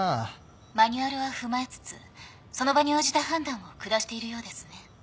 マニュアルは踏まえつつその場に応じた判断を下しているようですね。